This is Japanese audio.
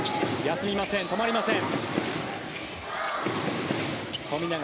休みません、止まりません。